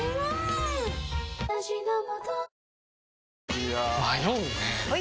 いや迷うねはい！